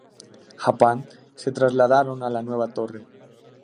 Japan se trasladaron a la nueva torre.